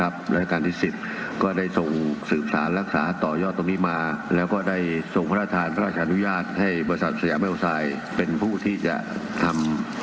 บริษัทตรงนี้มาและก็ได้ส่งพระทานพระราชนุญาตให้บริษัทสียามาโบไซค์เป็นผู้ที่จะทำ